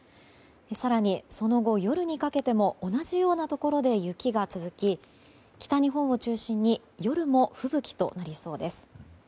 更に、その後、夜にかけても同じようなところで雪が続き、北日本を中心に夜も吹雪となりそうです。